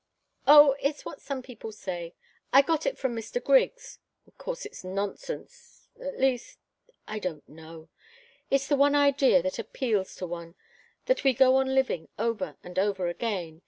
"Oh it's what some people say. I got it from Mr. Griggs. Of course it's nonsense at least I don't know. It's the one idea that appeals to one that we go on living over and over again.